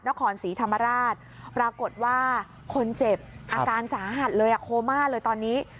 นครศรีธรรมราชปรากฏว่าคนเจ็บอาการสาหัสเลยโคม่าเลยตอนนี้